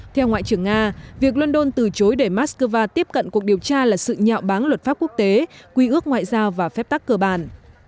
theo ngoại trưởng nga việc london từ chối để moscow tiếp cận cuộc điều tra là sự nhạo báng luật pháp quốc tế quy ước ngoại giao và phép tắc cơ bản